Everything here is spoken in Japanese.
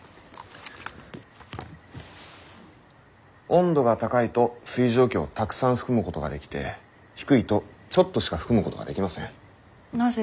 温度が高いと水蒸気をたくさん含むことができて低いとちょっとしか含むことができません。